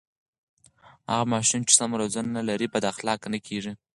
هغه ماشوم چې سمه روزنه لري بد اخلاقه نه کېږي.